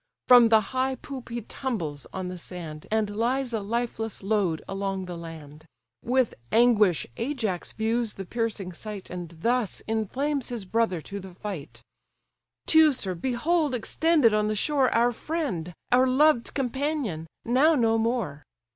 From the high poop he tumbles on the sand, And lies a lifeless load along the land. With anguish Ajax views the piercing sight, And thus inflames his brother to the fight: "Teucer, behold! extended on the shore Our friend, our loved companion! now no more!